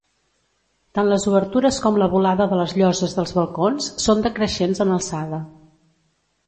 Tant les obertures com la volada de les lloses dels balcons són decreixents en alçada.